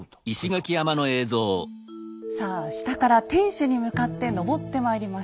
さあ下から天守に向かって登ってまいりましょう。